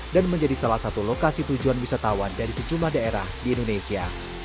dan menjadi salah satu lokasi tujuan wisatawan dari sejumlah daerah di indonesia